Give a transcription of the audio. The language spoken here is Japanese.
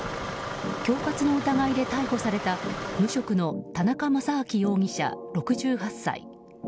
恐喝の疑いで逮捕された無職の田中正明容疑者、６８歳。